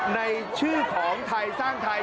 ในชื่อของไทยสร้างไทย